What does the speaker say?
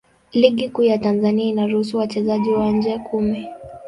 Ligi Kuu ya Tanzania inaruhusu wachezaji wa nje kumi.